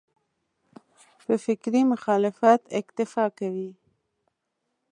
په فکري مخالفت اکتفا کوي.